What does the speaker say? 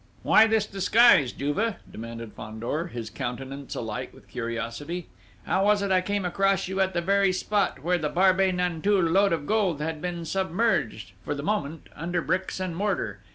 "Why this disguise, Juve?" demanded Fandor, his countenance alight with curiosity. "How was it I came across you at the very spot where the Barbey Nanteuil load of gold had been submerged, for the moment, under bricks and mortar?